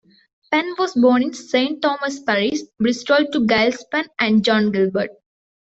Penn was born in Saint Thomas Parish, Bristol to Giles Penn and Joan Gilbert.